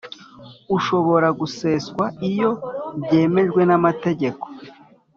ushobora guseswa iyo byemejwe na mategeko